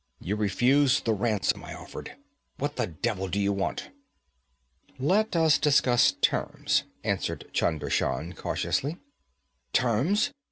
'You refused the ransom I offered. What the devil do you want?' 'Let us discuss terms,' answered Chunder Shan cautiously. 'Terms?'